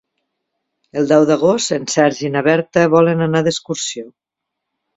El deu d'agost en Sergi i na Berta volen anar d'excursió.